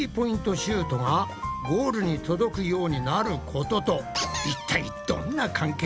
シュートがゴールに届くようになることといったいどんな関係があるんだ？